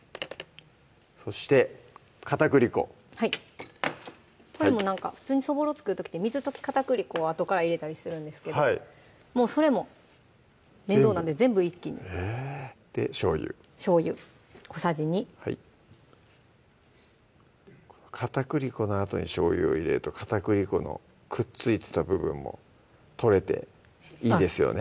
そして片栗粉はいこれも普通にそぼろ作る時って水溶き片栗粉をあとから入れたりするんですけどもうそれも面倒なんで全部一気にへぇでしょうゆしょうゆ小さじ２はい片栗粉のあとにしょうゆを入れると片栗粉のくっついてた部分も取れていいですよね